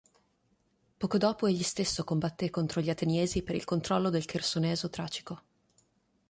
Poco dopo egli stesso combatté contro gli Ateniesi per il controllo del Chersoneso Tracico.